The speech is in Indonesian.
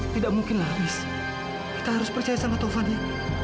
tidak mungkin lah riz kita harus percaya sama taufan ya